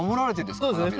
そうですねお花。